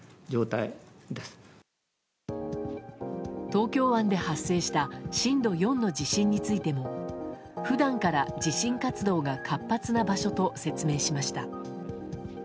東京湾で発生した震度４の地震についても普段から地震活動が活発な場所と説明しました。